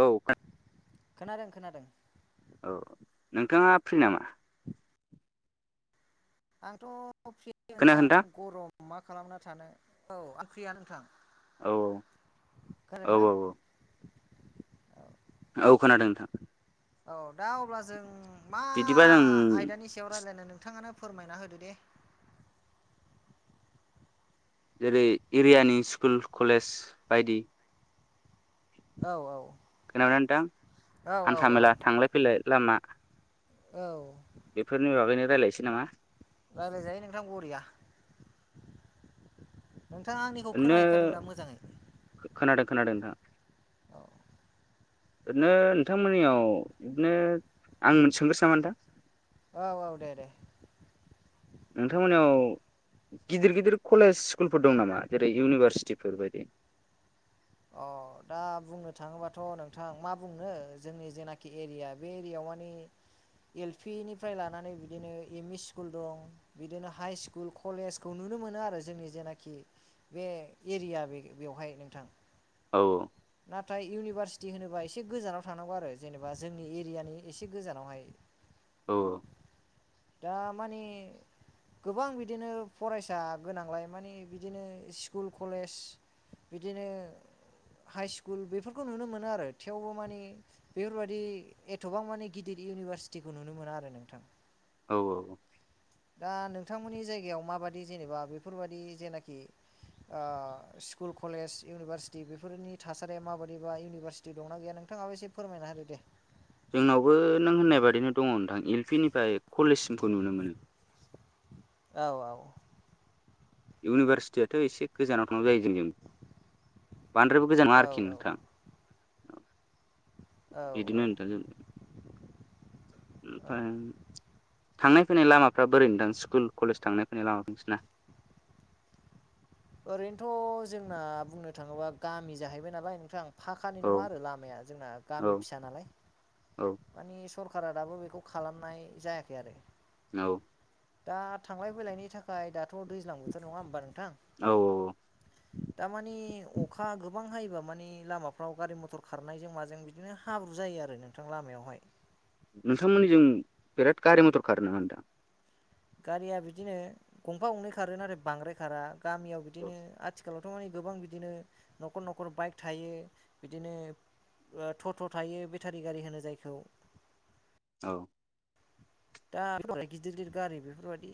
औ [inaudible] खोनादों खोनादों। औ नोंथाङा फ्रि नामा? आंथ' फ्रियो नोंथां गरम मा खालामना थानो औ आं फ्रियानो नोंथां। औ औ औ खोनादोंना औ। औ खोनादों नोंथां। औ दा अब्ला जों मा बिदिबा जों आयदानि सायाव रायज्लायनो नोंथाङानो। फोरमायना होदो दे। जेरै एरियानि स्कुल कलेज बायदि। औ औ। खोनादों ना नोंथां औ हान्था औ मेला थांलाय फैलाय लामा। औ। बेफोरनि बागैनो रायज्लायनोसै नामा? रायलायजायो नोंथां बरिया नोंथाङा आंनिखौ ओरैनो खोनाहैखादों दा मोजाङै। खोनादों खोनादों नोंथां। औ ओरैनो नोंथांमोननियाव बिदिनो आं सोंग्रोसै नामा नोंथां। औ औ दे दे। नोंथांमोननियाव गिदिर गिदिर कलेज स्कुलफोर दं नामा जेरै इउनिभारसिटिफोर बायदि। अ दा बुंनो थाङोबाथ' नोंथां मा बुंनो जोंनि जेनाखि एरिया बे एरियायाव। मानि एल पि निफ्राय लानानै बिदिनो एम इ स्कुल दं बिदिनो हाइ स्कुल कलेजखौनो। नुनो मोनो आरो जोंनि जेनाखि बे एरिया बेवहाय नोंथां। औ। नाथाय इउनिभारसिटि होनोबा एसे गोजानाव थांनांगौ आरो जेनेबा जोंनि एरियानि एसे गोजानावहाय। औ। दा मानि गोबां बिदिनो फरायसा गोनांलाय माने बिदिनो स्कुल कलेज बिदिनो हाइ स्कुल बेफोरखौ नुनो मोनो आरो थेवबो मानि बेफोरबायाददि एथबां मानि गिदिर। इउनिभारसिटिखौ नुनो मोना आरो नोंथां। औ औ। दा नोंथांमोननि जायगायाव माबादि जेनेबा बेफोरबायदि जेनाखि। ओ स्कुल कलेज इउनिभारसिटि बेफोरनि थासारिया माबायदि बा इउनिभारसिटि दंना गैया नों थाङाबो एसे फोरमायना होदो दे। जोंनावबो नों होननाय बादिनो दङ' नोंथां एल पि निफ्राय कलेजसिमखौ नुनो मोनो। औ औ। इउनिभारसिटियाथ' एसे गोजानाव थांगौ जायो जोंनियाव। बांद्रायबो गोजान नङा औ आरोखि नोंथां। औ बिदिनो नोंथां। औ ओमफ्राय थांनाय फैनाय लामाफ्रा बोरै नोंथां स्कुल कलेज थांनाय फैनाय लामाफोरा नोंसोरना? ओरैनोथ' जोंना बुंनो थाङोबा गामि जाहैबाय नालाय नोंथां। फाखानि औ नङा आरो लामाया जोंना गामि औ फिसा नालाय औ मानि। सरखारा दाबो बेखौ खालामनाय जायाखै आरो। औ। दा थांलाय फैलायनि थाखाय दाथ' दैज्लां बोथोर नङा होमबा नों थां औ औ दामानि अखा गोबां हायोबा। मानि लामाफ्राव गारि मथर खारनायजों माजों बिदिनो हाब्रु जायो आरो नोंथां लामायावहाय। नोंथांमोननिजों बिराद गारि मथर खारो नामा नोंथां? गारिया बिदिनो गंफा गंनै खारो नाथाय बांद्राय खारा गामियाव औ बिदिनो आथिखालाव। थ' मानि गोबां बिदिनो न'खर न'खर बाइक थायो बिदिनो। टट' थायो बेटारि गारि होनो जायखौ। औ। दा गिदिर गिदिर गारि बेफोरबायदि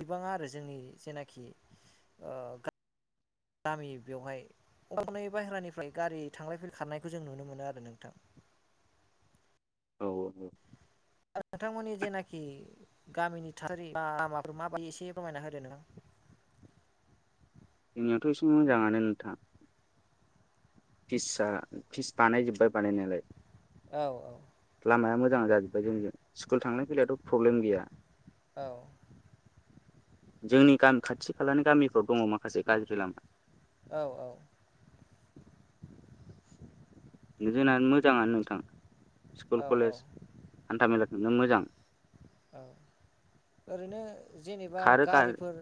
गैबाङा आरो जोंनि जेनाखि ओ गामि बेवहाय। अ हनै बाहेरानिफ्राय गारि थांलाय फैलाय खारनायखौ जों नुनो मोनो आरो नोंथां। औ औ। [unintelligible] नोंथांमोननि जेनाखि गामिनि थासारि लामाफोरा माबायदि एसे रमायना होदो नों [inaudible] जोंनियावथ एसे मोजाङानो नोंथां। फिस फिस बानायजोबबाय बानायनायालाय। औ औ। लामाया मोजां जाजोब्बाय जोंजों स्कुल थांलनाय फैलायथ प्रब्लेम गैया। औ जोंनि गामि खाथि खालानि गामि। दं माखासे गाज्रि लामा। औ जोंना मोजाङानो नोंथां। स्कुल औ औ कलेज हान्था मेलाखौनो मोजां। औ ओरैनो जेनेबा खारो खार गारिफोर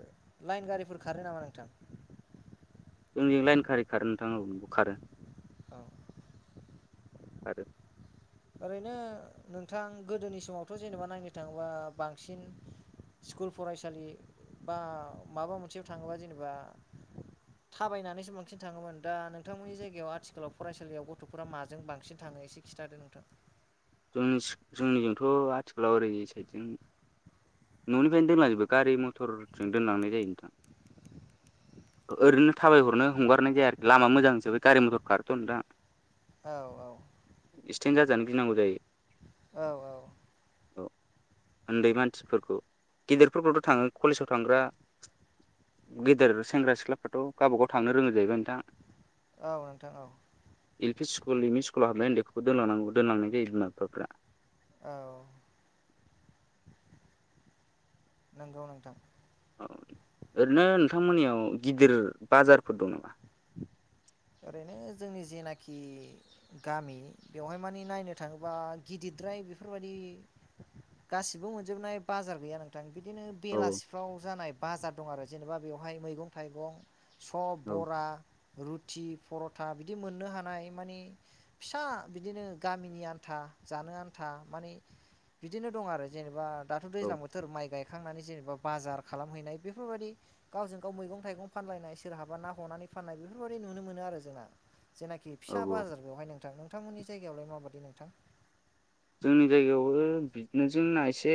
लाइन गारिफोर खारो नामा नोंथां। जोंजों लाइन गारि खारो नोंथां औ नंगौ खारो। [inaudible] आरो। ओरैनो नोंथां गोदोनि समावथ जेनेबा नायनो थाङोबा बांसिन। स्कुल फरायसालि बा माबा मोनसेयाव थाङोबा जेनेबा। थाबायनानैसो बांसिन थाङोमोन दा नोंथांमोननि जायगायाव आथिखालाव फरायसालियाव गथ'फोरा माजों बांसिन थाङो। ओ एसे खिन्थादो नोंथां। जों जोंनिजोंथ आथिखालाव ओरै साइदजों। न'निफ्रायनो दैमाजोबो गारि मथरजों दोनलांनाय जायो नोंथां। ओरैनो थाबायहरनो हंगारनाय जाया आरोखि लामा मोजां हिसाबै गारि मथर खारोथ' नोंथां। औ औ। एक्सिडेन्ट जाजानो गिनांगौ जायो। औ औ। औ उन्दै मानसिफोरखौ गेदेरफोरखौथ थाङो कलेजाव थांग्रा। गेदेर सेंग्रा सिख्लाफ्राथ गावबाागाव थांनो रोङो जाहैबाय नोंथां। औ नोंथां औ। L P school M E स्कुलाव हाबनाय उन्दैखौ दोनलांनांगौ दोनलांनाय जायो बिमा-बिफाफोरा। औ नंगौ नोंथां। औ ओरैनो नोंथांमोननियाव गिदिर बाजारफोर दं नामा। ओरैनो जोंनि जेनाखि गामि बेवहाय मानिे नायनो थाङोबा गिदिर। फ्राय बेफोरबायदि गासिबो मोनजोबनाय बाजार गैया नोंथां। बिदिनो औ बेलासिफ्राव जानाय बाजार दं आरो जेनेबा बेवहाय मैगं-थाइगं। सब औ बरा रु थि परथा बिदि मोननो हानाय माने फिसा बिदिनो गामिनि आन्था जा आनथा माने बिदिनो दं आरो जेनेबा दाथ औ दैज्लां बोथोर माइ गाय खांनानै जेनेबा बाजार खालामहैनाय बेफोरबायदि गावजों गाव मैगं थाइगं फानलायनाय सोरहाबा ना हमनानै। फाननाय बेफोरबायाददि नुनो मोनो आरो जोंना जेनाखि औ फिसा औ बाजार बेवहाय नों थां नोंथांमोननि जायगायावलाय माबायदि नोंथां। जोंनि जायगायावबो बिदिनो जोंना एसे।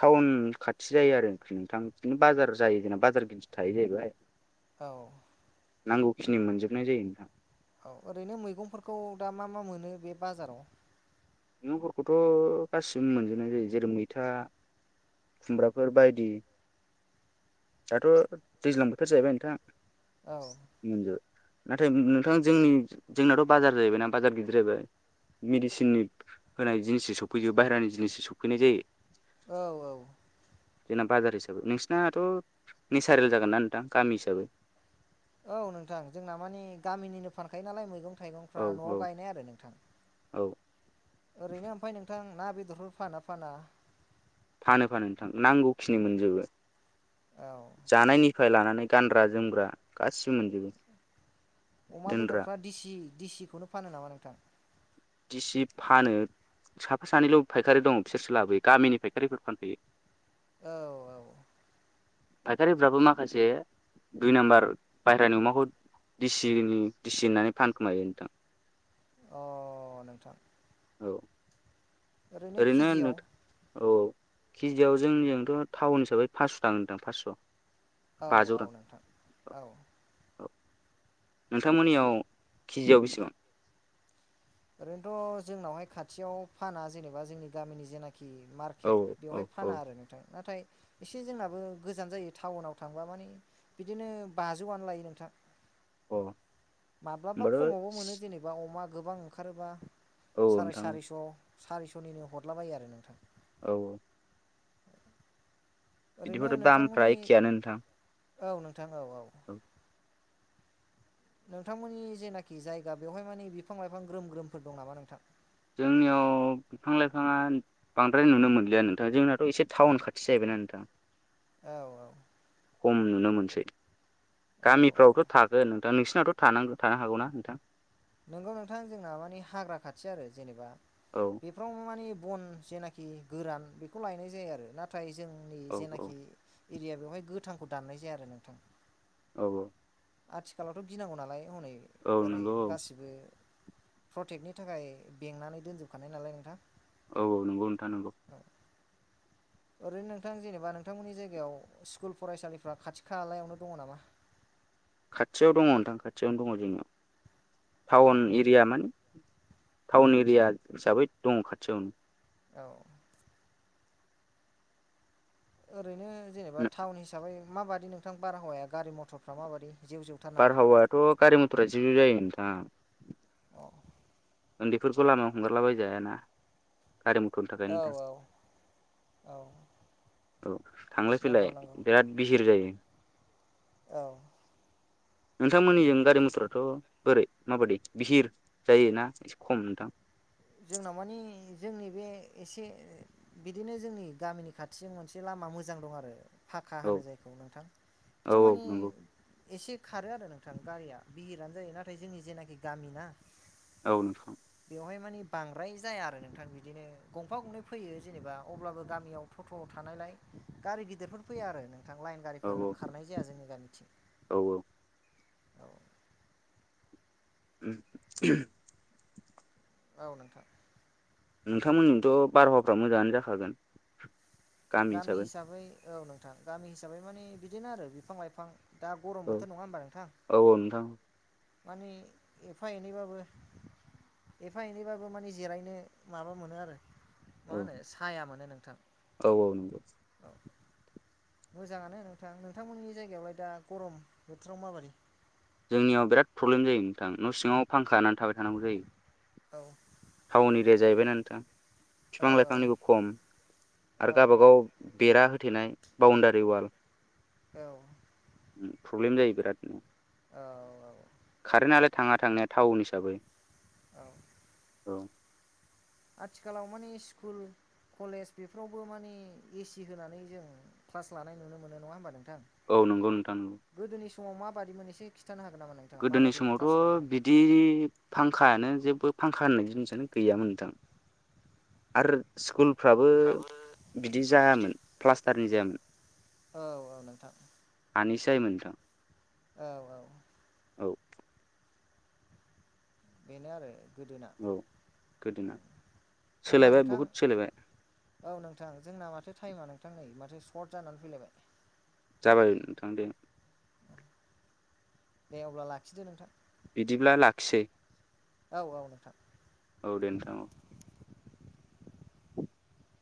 टाउन खाथि जायो आरो नोंथां बिदिनो बाजार जायो जेन बाजार गिदस थायो जाहैबाय। औ। जिखिनि मोनजोबनाय जायो नोंहा औ ओरैनो मैगंफोरखौ दा मा मा मोनो बे बाजाराव मैगंफोरखौथ गासिबो मोनजोबनाय जायो जेरै मैथा खुमब्राफोर बायदि दाथ' दैज्लां बोथोर जाहैबाय नोंथां औ मोनज नाथाय नोंथां जोंनि जोंनाथ' बाजार जाहैबाय ना बाजार गिदिर जाहैबाय। मेडिसिननि होनाय जिनिसो सफैयो बाहहेरानि जिनिसो सफैनाय जायो। औ औ। जोंना बाजार हिसाबै नोंसिनाथ' नेसारेल जागोनना नोंथां गामि हिसाबै। औ नोंथां जोंना मानि गामिनिनो फानखायो नालाय मैगं औ थाइगंफ्रा न'आव औ गायनाय आरो नोंथां औ ओरैनो ओमफ्राय नोंथां ना बेदरफोर फानो फाना फानो फानो नोंथां नांगौखिनि मोनजोबो औ। निफाय लानानै गानग्रा जोमग्रा गासिबो मोनजोबो अमा दोनग्रा बेदरफ्रा दिसि दिसिखौनो फानो नामा नोंथां। दिसि फानो। साफा सानैल' फायखारि दं बिसोरसो लाबोयो गामिनि फायखारिफोर फानफैयो। औ औ। फायखारिफ्राबो माखासे दुइ नाम्बार बायहेरानि अमाखौ दिसिनि दिसि होननानै फानखोमायो नोंथां। अ नोंथां। औ। ओरैनो केजियाव औ केजियाव जोंनिजोंथ' टाउन हिसाबै फासस' नोंथां फास्स' औ बाजौ औ रां नोंथां औ औ नोंथांमोननियाव केजियाव बेसेबां ओरैनोथ' जोंनावहाय खाथियाव फाना जेनेबा जोंनि गामिनि जेनाखि खि औ मार्केट औ बेवहाय औ फाना आरो नोंथां। नाथाय एसे जोंनाबो गोजान जायो टाउनाव थांबा माने बिदिनो बाजौआनो लायो नोंथां। अ माब्लाबा होमबाथ' खमावबो मोनो जेनेबा अमा गोबां ओंखारोबा औ साराय नोंथां औ सारिस' सारिस'निनो हदलाबायो आरो नोंथां। औ औ। ओरैनो इदिबाथ' दामफ्रा नोंथांमोननि एखेयानो नोंथां। औ नोंथां औ औ। नोंथांमोननि जेनाखि जायगा बेवहाय माने बिफां लाइफां ग्रोम ग्रोमफोर दं नामा नोंथां? जोंनियाव बिफां लाइफाङा बांद्राय नुनो मोनलिया नोंथां जोंनाथ' एसे टाउन खाथि जाहैबाय ना नोंथा। औ औ। खम नुनो मोनसै। औ औ गामिफ्रावथ' थागोन नोंथां नोंस सिनाथ' थांनागो थानो हागौना नोंथां? नोंगौ नोंथां। जोंना माने हाग्रा खाथि आरो जेनेबा औ बेफ्राव माने बन जेनाखि गोरान बेखौ लायनाय जायो आरो। नाथाय जोंनि औ औ जेनाखि इरिया बेवहाय गोथांखौ दाननाय जाया आरो नोंथां। औ औ। आथिखालावथ' गिनांगौ नालाय हनै औ ओरै नंगौ औ गासिबो प्रटेगनि थाखाय बेंनानै दोनजोब खानाय नालाय नोंथां। औ औ नोंगौ नोंथा नंगौ। ओरैनो नोंथां जेनेबा नोंथांमोननि जायगायाव स्कुल फरायसालिफ्रा खाथि खालायावनो दङ नामा? [inaudible] खाथियाव दङ नोंथां खाथियावनो दङ जोंनियाव। औ टाउन इरिया मानि टाउन इरिया हिसाबै दं खाथियावनो। औ। ओरैनो जेनेबा टाउन हिसाबै माबादि नोंथां बारहावाया गारि मथरफ्रा माबादि? जेव जेवथार नामा बारहावायाथ' गारि मथरा जिउ जिउ जायो नोंथां। औ ओन्दैफोरखौ लामायाव हंगारला बायजाया ना। गारि मथरनि थाखायनो औ नोंथां औ औ औ। थांलाय फैलाय नंगौ नंगौ बिराद बिहिर जायो। औ। नोंथांमोननिजों गारि मथराथ' बोरै माबायदि बिहिर जायोना एसे खम नोंथां? जोंनाव मानि जोंनि बे एसे बिदिनो जोंनि गामिनि खाथिजों मोनसे ला लामा मोजां दं आरो फाखा औ होनो जायखौ नोंथां। औ बिथिं औ मानि नंगौ एसे खारो आरो नोंथां गारिया बिहिरानो जायो नाथाय जोंनि जेनाखि गामिना औ नोंथां। बांद्राय जाया आरो नोंथां। बिदिनो गंफा गंनै फैयो जेनेबा अब्लाबो गामियाव टट'आव थानायलाय गारि गिदिरफोर फैया आरो नोंथां लाइन औ गारिफोर औ खारनाय जाया जोंनि गामिथिं। औ औ औ औ नोंथां। नोंथांमोननिथ' बारहावाफ्रा मोजाङानो जाखागोन। गामि हिसाबै औ नोंथां गामि हिसाबै माने बिदिनो आरो बिफां लाइफां। दा गरम औ बोथोर नङा होमबा नोंथां? औ औ नोंथां माने एफा एनैबाबो एफा एनैबाबो माने जिरायनो माबा मोनो आरो। औ मा होनो साया मोनो नोंथां औ औ नंगौ औ। मोजाङानो नोंथां। नोंथांमोननि जायगायावलाय दा गरम बोथ्राव माबारि? जोंनियाव बिराद प्रब्लेम जायो नोंथां। न' सिङाव फांखा होनानै थाबाय थानांगौ जायो। औ। टाउन एरिया जाहैबायना नोंथां। औ फिफां लाइफांनिबो खम आरो गावबागाव बेरा होथेनाय बाउन्दारि वाल औ प्रब्लेम जायो बिराद औ कारेन्टालाय थाङा थांनाय टाउन हिसाबै औ औ आथिखालाव माने स्कुल कलेज बेफोरावबो मानि एसि होनानै जों क्लास लानाय नुनो मोनो नङा होमबा नों औ नंगौ नोंथां नंगौ। समाव माबादिमोन एसे खिन्थानो हागोन नामा नोंथाङा गोदोनि माबादि क्लास समावथ' लायोमोन बिदि फांखायानो जेबो फांखा होननाय जिनिसानो गैयामोन नोंथां आरो स्कुल फ्राबो बिदि जायामोन प्लास्टारनि जायामोन। औ औ नोंथां। हानिसो जायोमोन नोंथां। औ औ औ बेनो आरो गोदोना। औ गोदोना अब्ला सोलायबाय नोंथां बहुद सोलायबाय औ नोंथां जोंना माथो टाइमानो नोंथां नै माथो सर्ट जानानै फैलायबाय। जाबाय नोंथां दे। दे अब्ला लाखिदो नोंथां। बिदिब्ला लाखिसै! औ औ नोंथां। औ दे नोंथां औ। [inaudible]